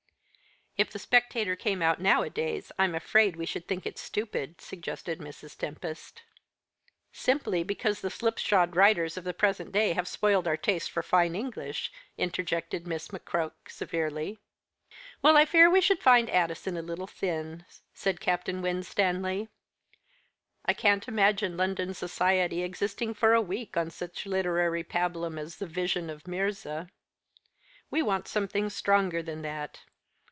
"If the Spectator came out nowadays I'm afraid we should think it stupid." suggested Mrs. Tempest. "Simply because the slipshod writers of the present day have spoiled our taste for fine English," interjected Miss McCroke severely. "Well, I fear we should find Addison a little thin," said Captain Winstanley; "I can't imagine London society existing for a week on such literary pabulum as 'The Vision of Mirza.' We want something stronger than that.